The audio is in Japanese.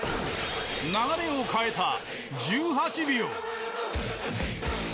流れを変えた１８秒。